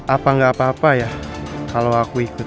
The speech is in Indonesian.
apa nggak apa apa ya kalau aku ikut